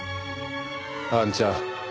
あんちゃん